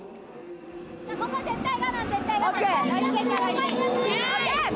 ここ絶対我慢、絶対我慢。